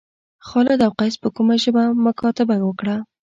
خالد او قیس په کومه ژبه مکاتبه وکړه.